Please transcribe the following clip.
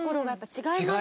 違います。